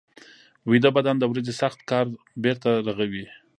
ویده بدن د ورځې سخت کار بېرته رغوي